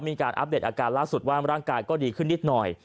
อัปเดตอาการล่าสุดว่าร่างกายก็ดีขึ้นนิดหน่อย